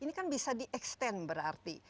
ini kan bisa di extend berarti